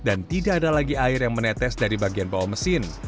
dan tidak ada lagi air yang menetes dari bagian bawah mesin